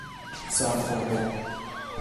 سالخورده